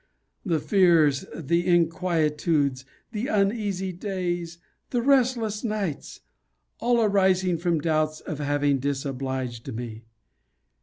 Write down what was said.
The fears, the inquietudes, the uneasy days, the restless nights; all arising from doubts of having disobliged me!